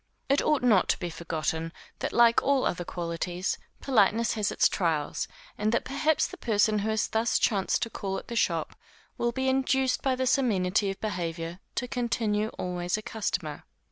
But it ought not to be forgotten, that like all other qualities, politeness has its trials, and that perhaps the person who has thus chanced to call at their shop, will be induced by this amenity of behavior, to continue always a customer.